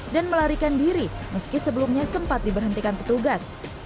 dan melarikan diri meski sebelumnya sempat diberhentikan petugas